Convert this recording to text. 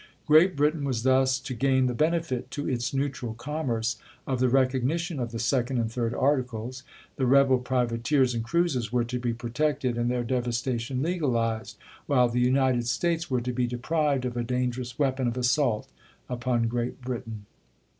Great Britain was thus to gain the benefit to its neutral commerce of the recognition of the second and third articles, the rebel privateers and cruisers were to be protected and their devastation legalized, while the United States were to be deprived of a dangerous weapon of assault upon Great Britain.